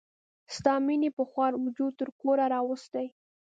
ستا مینې په خوار وجود تر کوره راوستي.